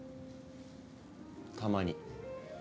たまに。